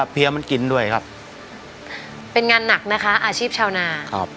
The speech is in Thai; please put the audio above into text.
เพี้ยมันกินด้วยครับเป็นงานหนักนะคะอาชีพชาวนาครับ